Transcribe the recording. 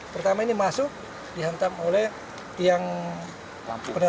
pertama ini masuk dihantam oleh tiang penerangan